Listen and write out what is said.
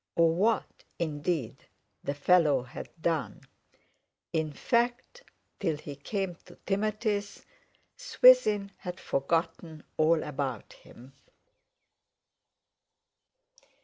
Or what, indeed, the fellow had done. In fact, till he came to Timothy's, Swithin had forgotten all about him.